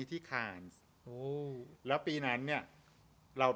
จำได้เลยว่า